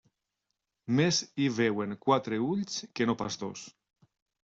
Més hi veuen quatre ulls que no pas dos.